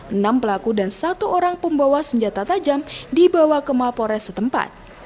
enam pelaku dan satu orang pembawa senjata tajam dibawa ke mapores setempat